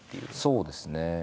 そうですね。